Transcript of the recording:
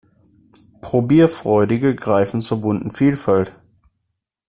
Probierfreudige greifen zur bunten Vielfalt.